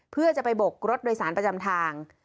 เพื่อจะไปบกรถโดยสารประจำทาง